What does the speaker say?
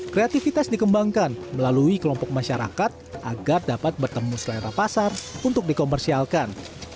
kreativitas dikembangkan melalui kelompok masyarakat agar dapat bertemu selera pasar untuk dikomersialkan